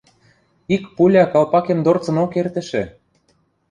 Ик пуля калпакем дорцынок эртӹшӹ.